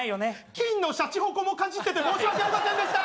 金のしゃちほこもかじってて申し訳ありませんでした！